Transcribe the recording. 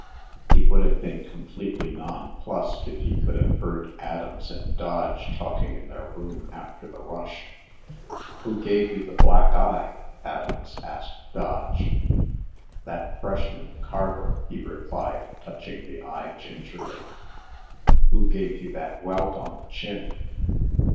He would have been completely nonplussed if he could have heard Adams and Dodge talking in their room after the rush. "Who gave you the black eye?" Adams asked Dodge. "That freshman Carver," he replied, touching the eye gingerly. "Who gave you that welt on the chin?"